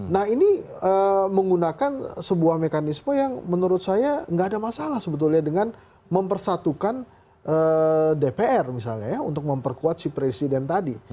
nah ini menggunakan sebuah mekanisme yang menurut saya nggak ada masalah sebetulnya dengan mempersatukan dpr misalnya ya untuk memperkuat si presiden tadi